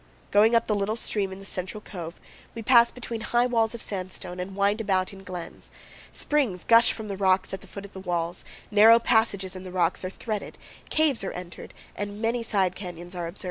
Going up the little stream in the central cove, we pass between high walls of sandstone, and wind about in glens. Springs gush from the rocks at the foot of the walls; narrow passages in the rocks are threaded, caves are entered, and many side canyons are observed.